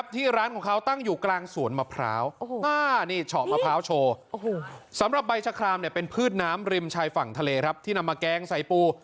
ที่นำมาแก๊งใส้ปลู่